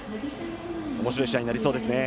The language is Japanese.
おもしろい試合になりそうですね。